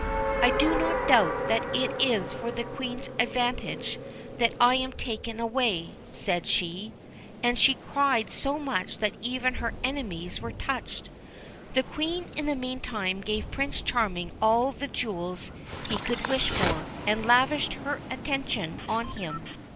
' I do not doubt that it is for the Queen's advantage that I am taken away,' said she. And she cried so much that even her enemies were touched. The Queen in the meantime gave Prince Charming all the jewels he could wish for, and lavished her attention on him.